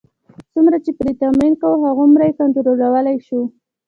څومره چې پرې تمرین کوو، هغومره یې کنټرولولای شو.